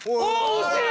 惜しい！